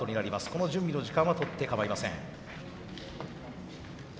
この準備の時間はとってかまいません。